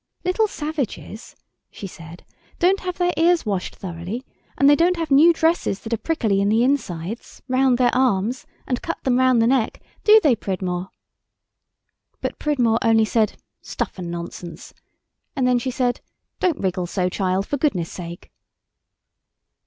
"Little savages," she said, "don't have their ears washed thoroughly, and they don't have new dresses that are prickly in the insides round their arms, and cut them round the neck. Do they, Pridmore?" But Pridmore only said, "Stuff and nonsense," and then she said, "don't wriggle so, child, for goodness' sake."